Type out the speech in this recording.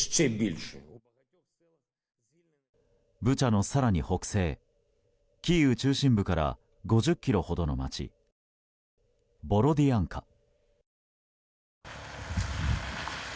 ブチャの更に北西キーウ中心部から５０ｋｍほどの町ボロディアンカ。